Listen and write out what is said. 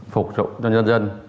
phục vụ cho nhân dân